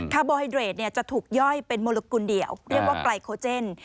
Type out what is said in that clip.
โบไฮเดรดจะถูกย่อยเป็นมลกุลเดียวเรียกว่าไกลโคเจน